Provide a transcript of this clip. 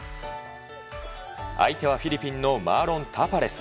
相手はフィリピンのマーロン・タパレス。